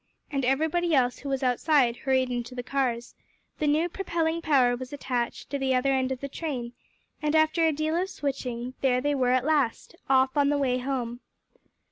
And everybody else who was outside hurried into the cars; the new propelling power was attached to the other end of the train, and after a deal of switching, there they were at last off on the way home!